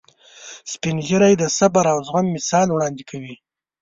سپین ږیری د صبر او زغم مثال وړاندې کوي